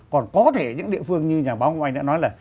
còn có thể những địa phương như nhà báo của anh đã nói là